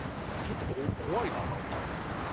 ちょっと怖いななんか。